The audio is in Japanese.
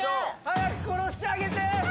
早く殺してあげて！